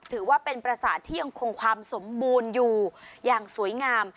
ถือว่าเป็นประสาทที่ยังคงความสมบูรณ์อยู่อย่างสวยงาม